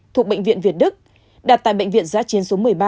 thuộc bệnh viện việt đức đặt tại bệnh viện giã chiến số một mươi ba